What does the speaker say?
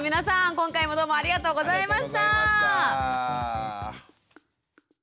今回もどうもありがとうございました！